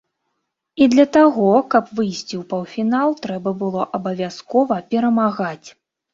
І для таго, каб выйсці ў паўфінал трэба было абавязкова перамагаць.